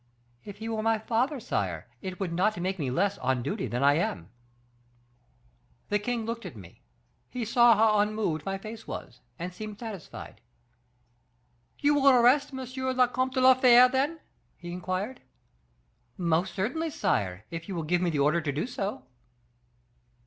"'If he were my father, sire, it would not make me less on duty than I am.' "The king looked at me; he saw how unmoved my face was, and seemed satisfied. 'You will arrest M. le Comte de la Fere, then?' he inquired. "'Most certainly, sire, if you give me the order to do so.